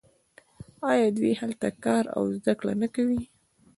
آیا دوی هلته کار او زده کړه نه کوي؟